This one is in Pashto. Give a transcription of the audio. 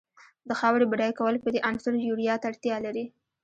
د خاورې بډای کول په دې عنصر یوریا ته اړتیا لري.